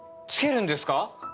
つけるんですか？